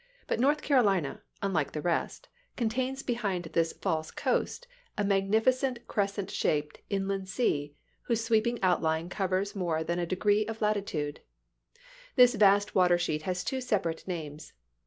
But North Carolina, unlike the rest, contains behind this false coast a magnificent crescent shaped inland sea whose sweeping outline covers more than a degree of lat itude. This vast water sheet has two separate names.